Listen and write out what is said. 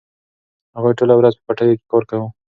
هغوی ټوله ورځ په پټیو کې کار کاوه.